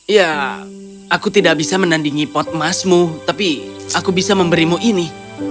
ya aku tidak bisa menandingi pot emasmu tapi aku bisa memberimu ini